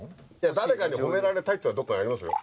誰かに褒められたいっていうのはどこかにありますよ。